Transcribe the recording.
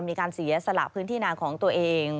มีการเสียสละพื้นที่นาของตัวเอง